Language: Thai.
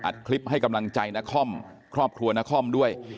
อัดคลิปให้กำลังใจนาคอมครอบครัวนาคอมด้วย